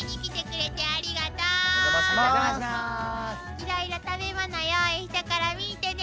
いろいろ食べ物用意したから見てね！